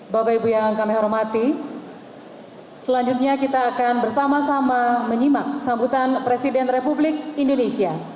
bapak ibu yang kami hormati selanjutnya kita akan bersama sama menyimak sambutan presiden republik indonesia